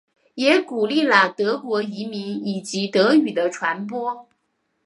也鼓励了德国移民以及德语的传播。